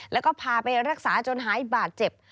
แล้วก็พาไปรักษาจนหายบาดเจ็บ